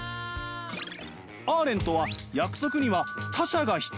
アーレントは約束には他者が必要だといいました。